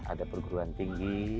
ada perguruan tinggi